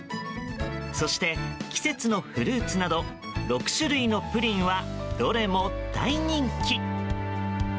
そして季節のフルーツなど６種類のプリンはどれも大人気。